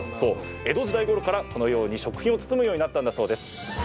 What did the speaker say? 江戸時代ごろからこのように食品を包むようになったんだそうです。